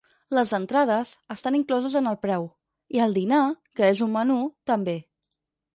Les entrades, estan incloses en el preu, i el dinar, que és un menú, també.